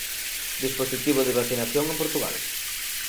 Dispositivo de vacinación en Portugal.